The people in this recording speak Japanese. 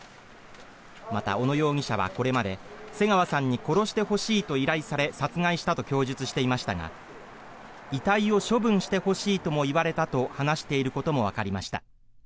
また、小野容疑者はこれまで瀬川さんに殺してほしいと依頼され殺害したと供述していましたが遺体を処分してほしいともいわれたと話していることもわかりました。